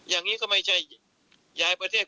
อย่างนี้ก็ไม่ใช่ย้ายประเทศ